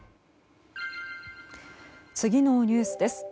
次のニュースです。